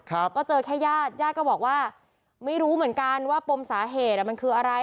ก็เจอแค่ญาติญาติก็บอกว่าไม่รู้เหมือนกันว่าปมสาเหตุอ่ะมันคืออะไร